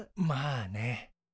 まあね。